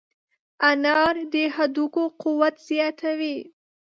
انار د هډوکو قوت زیاتوي.